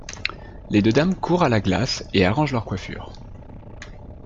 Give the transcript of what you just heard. Les deux dames courent à la glace et arrangent leur coiffure.